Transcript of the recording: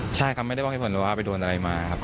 ใช่ครับไม่ได้บอกเหตุผลว่าไปโดนอะไรมาครับ